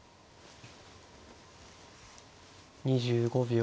２５秒。